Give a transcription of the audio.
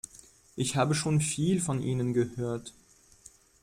Ich habe schon viel von Ihnen gehört.